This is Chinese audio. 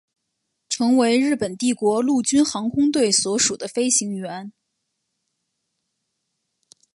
成为日本帝国陆军航空队所属的飞行员。